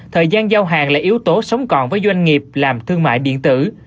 thời gian giao hàng là yếu tố sống còn với doanh nghiệp làm thương mại điện tử